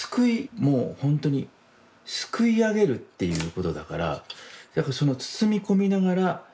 もうほんとに救いあげるっていうことだからだからその包み込みながら。